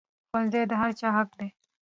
ښوونځی د هر چا حق دی